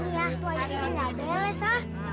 ini ya itu air sendiri nggak beles ah